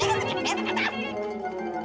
ketuk ketuk ketuk ketuk